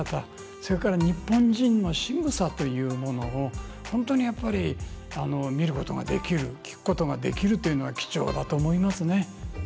それから日本人のしぐさというものを本当にやっぱり見ることができる聴くことができるというのは貴重だと思いますね。